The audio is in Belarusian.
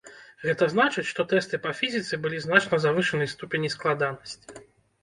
Гэта значыць, што тэсты па фізіцы былі значна завышанай ступені складанасці.